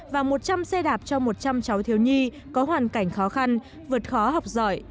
và một trăm linh xe đạp cho một trăm linh cháu thiếu nhi có hoàn cảnh khó khăn vượt khó học giỏi